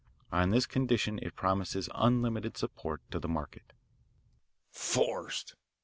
On this condition it promises unlimited support to the market." "Forced!"